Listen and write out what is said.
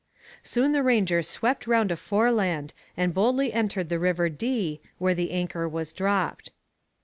Soon the Ranger swept round a foreland and boldly entered the river Dee, where the anchor was dropped.